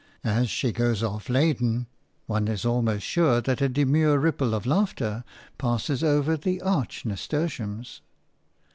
As she goes off laden, one is almost sure that a demure ripple of laughter passes over the arch nasturtiums.